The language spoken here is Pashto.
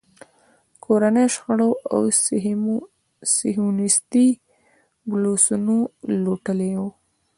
کورنیو شخړو او صیهیونېستي بلوسنو لوټلی.